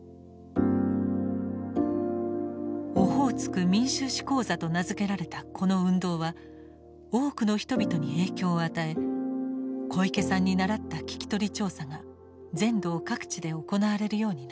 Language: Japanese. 「オホーツク民衆史講座」と名付けられたこの運動は多くの人々に影響を与え小池さんに倣った聞き取り調査が全道各地で行われるようになった。